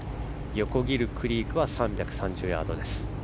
横切るクリークは３３０ヤードです。